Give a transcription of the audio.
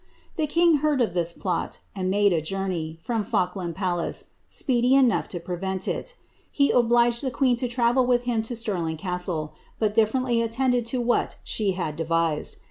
The king heard of this plot, and made a journey, from Falkland Palace, speedy enough to prevent iL* He obliged the queen to travel with him to Stirling Castle, but diflerently attended to what she had devised.